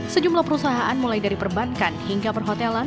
sejumlah perusahaan mulai dari perbankan hingga perhotelan